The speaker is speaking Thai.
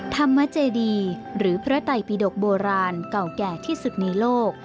ธรรมเจดีหรือพระไตปิดกโบราณเก่าแก่ที่สุดในโลก